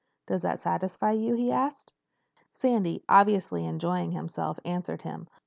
"Does that satisfy you?" he asked. Sandy, obviously enjoying himself, answered him.